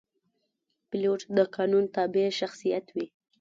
پیلوټ د قانون تابع شخصیت وي.